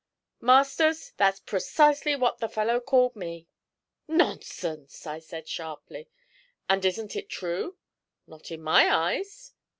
'Masters, that's precisely what the fellow called me.' 'Nonsense!' I said sharply. 'And isn't it true?' 'Not in my eyes.'